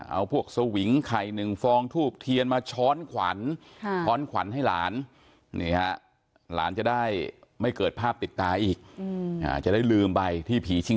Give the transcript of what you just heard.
เอาพวกสวิงไข่๑ฟองทูบเทียนมาช้อนขวัญช้อนขวัญให้หลานจะได้ไม่เกิดภาพติดตาอีกจะได้ลืมไปที่ผีชิง